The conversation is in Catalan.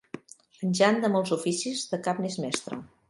En Jan de molts oficis de cap n'és mestre.